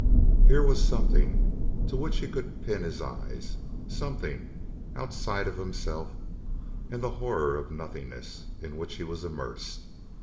Here was something to which he could pin his eyes; something outside of himself and the horror of nothingness in which he was immersed.